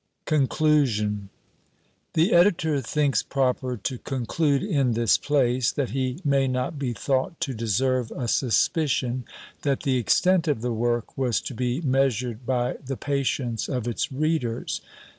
B. CONCLUSION The Editor thinks proper to conclude in this place, that he may not be thought to deserve a suspicion, that the extent of the work was to be measured by the patience of its readers.